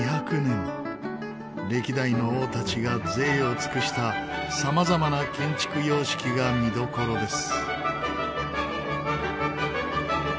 歴代の王たちが贅を尽くした様々な建築様式が見どころです。